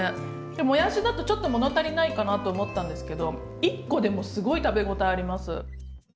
もやしだとちょっと物足りないかなと思ったんですけど１個でもすごい食べ応えあります。